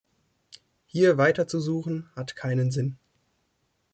Hier weiterzusuchen, hat keinen Sinn.